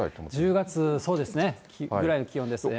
１０月、そうですね、ぐらいの気温ですね。